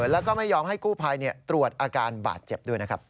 แล้วก็ไม่ยอมให้กู้ภัยตรวจอาการบาดเจ็บด้วยนะครับ